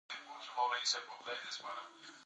دا بازي د دوه ټيمونو تر منځ کیږي.